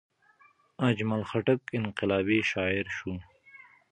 اجمل خټک انقلابي شاعر شو.